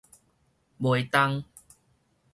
袂動